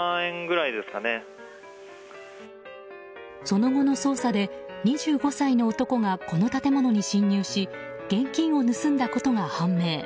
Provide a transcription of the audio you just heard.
その後の捜査で２５歳の男がこの建物に侵入し現金を盗んだことが判明。